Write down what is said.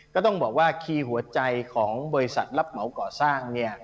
ก็ต้องบอกว่าคีย์หัวใจของบริษัทรับเหมาก่อสร้าง